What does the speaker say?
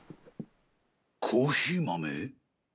コーヒー豆？